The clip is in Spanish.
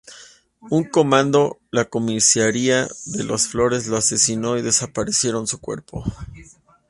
Un comando la Comisaría de Las Flores lo asesinó y desaparecieron su cuerpo.